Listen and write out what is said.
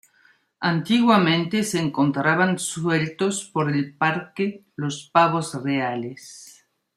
Antiguamente, se encontraban sueltos por el parque los pavos reales.